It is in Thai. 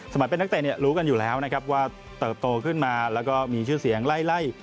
สมัยเป็นนักเตะรู้กันอยู่แล้วว่าเติบโตขึ้นมาแล้วก็มีชื่อเสียงไล่